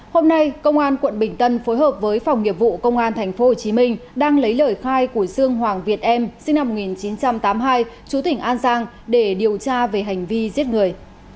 hôm nay công an quận bình tân phối hợp với phòng nghiệp vụ công an tp hcm đang lấy lời khai của dương hoàng việt em sinh năm một nghìn chín trăm tám mươi hai chú tỉnh an giang để điều tra về hành vi giết người